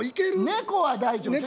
猫は大丈夫。